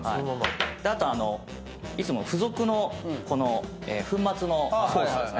あといつもの付属のこの粉末のソースですね。